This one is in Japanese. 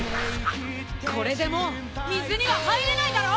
これでもう水には入れないだろ！